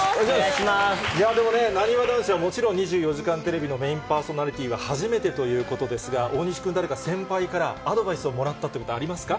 でもね、なにわ男子はもちろん、２４時間テレビのメインパーソナリティーは初めてということですが、大西君、誰か先輩からアドバイスをもらったっていうことはありますか？